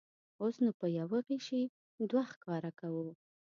اوس نو په یوه غیشي دوه ښکاره کوو.